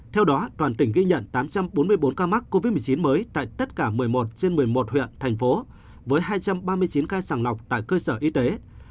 theo đó toàn tỉnh ghi nhận tám trăm bốn mươi bốn ca mắc covid một mươi chín mới tại tất cả một mươi một trên một mươi một huyện thành phố với hai trăm ba mươi chín ca sàng lọc tại cơ sở y tế